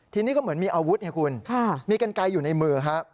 ทีนี้ก็เหมือนมีอาวุธไงคุณมีกันไกลอยู่ในมือฮะ